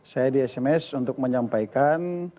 saya di sms untuk menyampaikan